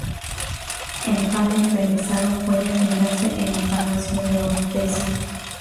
El panel realizado puede admirarse en el palacio de Oropesa.